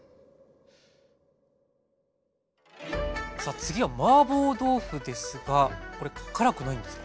さあ次はマーボー豆腐ですがこれ辛くないんですか？